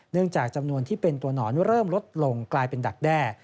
เนื่องจากจำนวนที่เป็นตัวหนอนเริ่มลดลงเป็นดักแท่